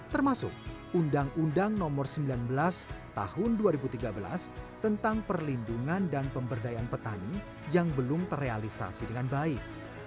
termasuk undang undang nomor sembilan belas tahun dua ribu tiga belas tentang perlindungan dan pemberdayaan petani yang belum terrealisasi dengan baik